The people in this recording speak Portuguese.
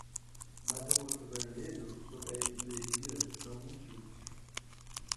Mas o rosto vermelho, sobre a hemiplegia, não mentiu.